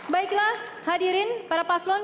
baiklah hadirin para paslon